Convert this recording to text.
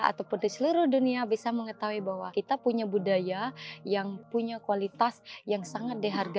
ataupun di seluruh dunia bisa mengetahui bahwa kita punya budaya yang punya kualitas yang sangat dihargai